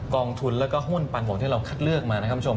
กองทุนและก็ห้นปันผลที่เราคัดเลือกมานะครับ